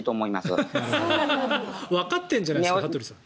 わかってるじゃないですか。